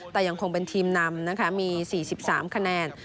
แต่ยังคงเป็นทีมนำนะคะมี๔๓คะแนน